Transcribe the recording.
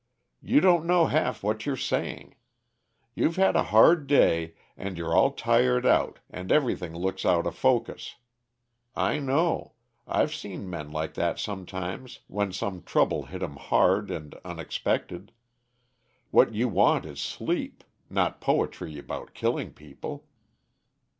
"You don't know half what you're saying. You've had a hard day, and you're all tired out, and everything looks outa focus. I know I've seen men like that sometimes when some trouble hit 'em hard and unexpected. What you want is sleep; not poetry about killing people.